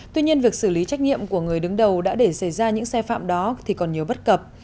tuy nhiên việc xử lý trách nhiệm của người đứng đầu đã để xảy ra những sai phạm đó thì còn nhiều bất cập